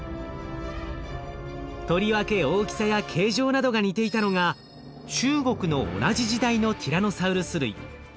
とりわけ大きさや形状などが似ていたのが中国の同じ時代のティラノサウルス類。